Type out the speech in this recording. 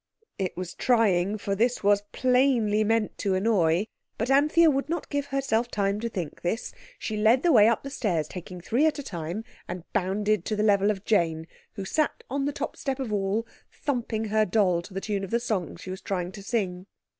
It was trying, for this was plainly meant to annoy. But Anthea would not give herself time to think this. She led the way up the stairs, taking three at a time, and bounded to the level of Jane, who sat on the top step of all, thumping her doll to the tune of the song she was trying to sing.